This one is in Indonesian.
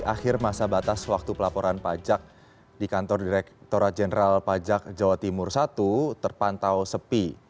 akhir masa batas waktu pelaporan pajak di kantor direkturat jenderal pajak jawa timur i terpantau sepi